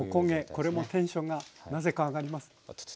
これもテンションがなぜか上がります。